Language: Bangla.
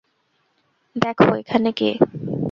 দেখ এখানে কে।